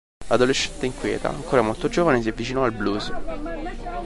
Adolescente inquieta, ancora molto giovane si avvicinò al blues.